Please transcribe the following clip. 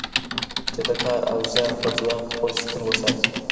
چې د کار او زیار په ځواک خپل شتون وساتي.